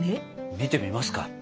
見てみますか。